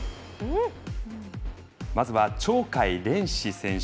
まずは鳥海連志選手。